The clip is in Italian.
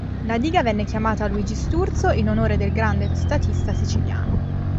La diga venne chiamata "Luigi Sturzo" in onore del grande statista siciliano.